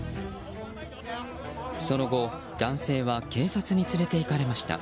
その後、男性は警察に連れていかれました。